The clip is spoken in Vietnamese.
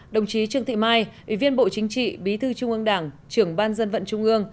đồng chí trương thị mai ủy viên bộ chính trị bí thư trung ương đảng